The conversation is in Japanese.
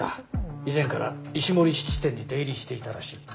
以前から石森質店に出入りしていたらしい。